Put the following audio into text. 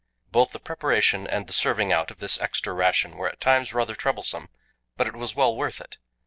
Both the preparation and the serving out of this extra ration were at times rather troublesome, but it was well worth it.